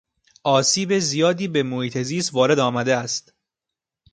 آسیب زیادی به محیط زیست وارد آمده است.